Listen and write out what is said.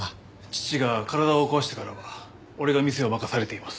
父が体を壊してからは俺が店を任されています。